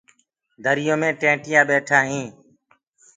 دريو مي ڏيمڀُو ٻيٺآ هينٚ۔